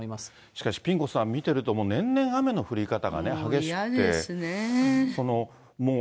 しかし、ピン子さん、見てるともう年々、雨の降り方が激しくて。